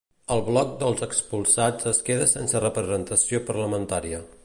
El Bloc dels Expulsats es queda sense representació parlamentària.